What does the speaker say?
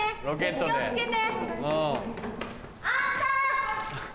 気を付けて。